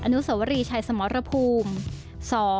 นุสวรีชัยสมรภูมิ